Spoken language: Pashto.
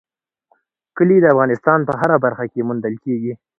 کلي د افغانستان په هره برخه کې موندل کېږي.